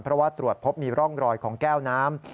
เพราะว่าตรวจพบมีร่องรอยของแก้วน้ำ